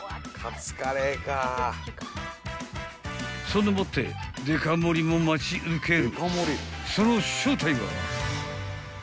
［そんでもってデカ盛りも待ち受ける］